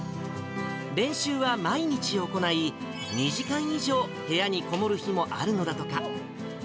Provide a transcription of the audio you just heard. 練習は毎日行い、２時間以上部屋に籠もる日もあるのだとか。